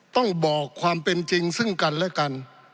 ต้องบอกความเป็นจริงซึ่งกันและกัน